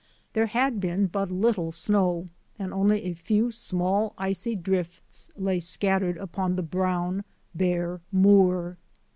There had been but little snow, and only a few small, icy drifts lay scattered upon the brown, bare moor.